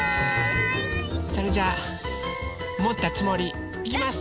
それじゃあもったつもり。いきます。